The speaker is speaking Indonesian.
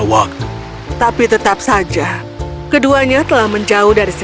lo tidak boleh tunggu lebih sampai per optics horatorium